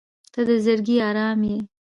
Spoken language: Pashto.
• ته د زړګي ارام یې.